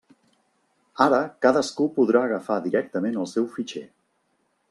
Ara cadascú podrà agafar directament el seu fitxer.